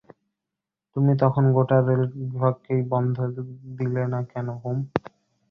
তুমি তখন গোটা রেল বিভাগকেই বন্ধ দিলে না কেন, হুম?